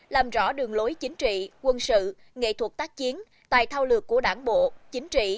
làm rõ đường lối chính trị quân sự nghệ thuật tác chiến tài thao lược của đảng bộ chính trị